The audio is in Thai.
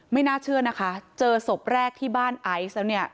ไม่น่าเชื่อนะคะเจอศพแรกที่บ้านไอซ์แล้วเนี่ย